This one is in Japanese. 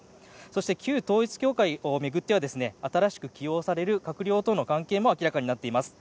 そして、旧統一教会を巡っては新しく起用される閣僚との関係も明らかになっています。